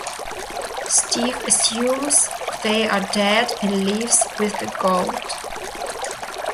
Steve assumes they are dead and leaves with the gold.